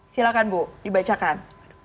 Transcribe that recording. silahkan bu dibacakan